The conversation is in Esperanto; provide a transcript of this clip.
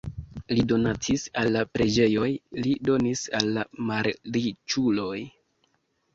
Li donacis al la preĝejoj, li donis al la malriĉuloj.